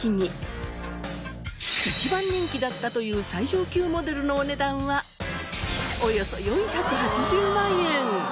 一番人気だったという最上級モデルのお値段はおよそ４８０万円。